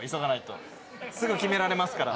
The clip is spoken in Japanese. すぐ決められますから。